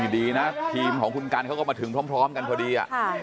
ดีนะทีมของคุณกันเขาก็มาถึงพร้อมกันพอดี